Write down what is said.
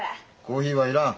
コーヒーは要らん。